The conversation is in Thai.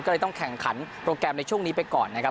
ก็เลยต้องแข่งขันโปรแกรมในช่วงนี้ไปก่อนนะครับ